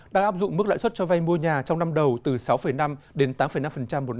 đang áp dụng mức lãi suất cho vay mua nhà trong năm đầu từ sáu năm đến tám năm một năm